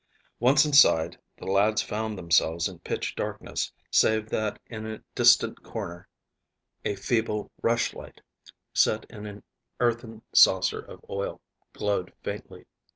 Once inside the lads found themselves in pitch darkness, save that in a distant corner a feeble rushlight, set in an earthen saucer of oil, glowed faintly.